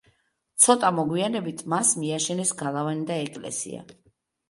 ცოტა მოგვიანებით მას მიაშენეს გალავანი და ეკლესია.